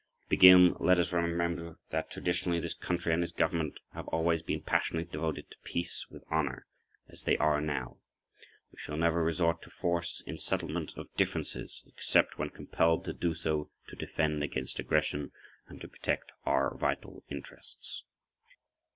To begin, let us remember that traditionally this country and its Government have always been passionately devoted to peace with honor, as they are now. We shall never resort to force in settlement of differences except when compelled to do so to defend against aggression and to protect our vital interests.